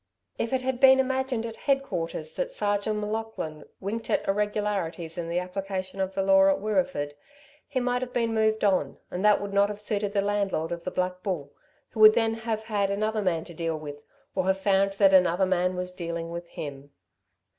If it had been imagined at head quarters that Sergeant M'Laughlin winked at irregularities in the application of the law at Wirreeford, he might have been moved on, and that would not have suited the landlord of the Black Bull, who would then have had another man to deal with, or have found that another man was dealing with him.